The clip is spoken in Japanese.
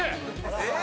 えっ？